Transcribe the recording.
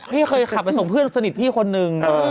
พี่เคยขับไปส่งเพื่อนสนิทพี่คนนึง